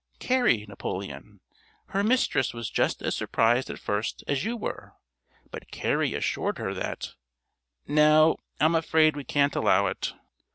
Carrie Napoleon. Her mistress was just as surprised at first as you were, but Carrie assured her that " "No, I'm afraid we can't allow it."